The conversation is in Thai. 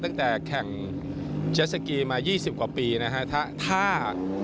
ตั้งแต่แข่งเจสสกีมา๒๐กว่าปีนะฮะถ้า